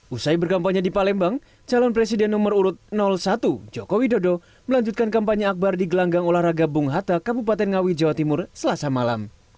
usai berkampanye di palembang calon presiden nomor urut satu jokowi dodo melanjutkan kampanye akbar di gelanggang olahraga bung hatta kabupaten ngawi jawa timur selasa malam